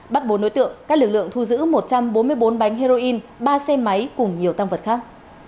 bắt bốn đối tượng các lực lượng thu giữ một trăm bốn mươi bốn bánh heroin ba xe máy cùng nhiều tăng vật khác